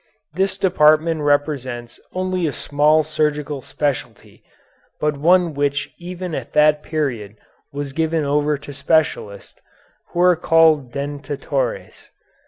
This department represents only a small surgical specialty, but one which even at that period was given over to specialists, who were called dentatores.